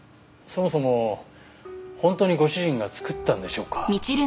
そもそも本当にご主人が作ったんでしょうか？